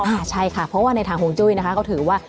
อ่าใช่ค่ะเพราะว่าในทางห่วงจุ้ยนะคะก็ถือว่า